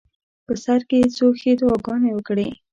په سر کې یې څو ښې دعاګانې وکړې.